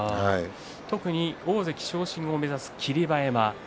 特に大関昇進を目指す霧馬山。